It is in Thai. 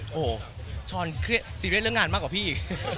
โอ้โหชอันเรื่องงานมากกว่าพี่